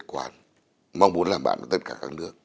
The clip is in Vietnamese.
kết quả mong muốn làm bạn với tất cả các nước